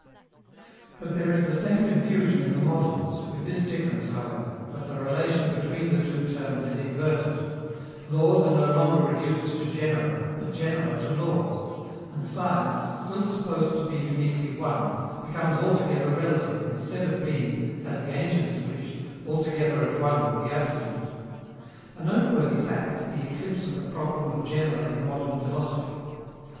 But there is the same confusion in the moderns, with this difference, however, that the relation between the two terms is inverted: laws are no longer reduced to genera, but genera to laws; and science, still supposed to be uniquely one, becomes altogether relative, instead of being, as the ancients wished, altogether at one with the absolute. A noteworthy fact is the eclipse of the problem of genera in modern philosophy.